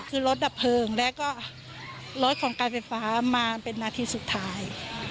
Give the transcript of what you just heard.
คือรถดับเพลิงแล้วก็รถของการไฟฟ้ามาเป็นนาทีสุดท้าย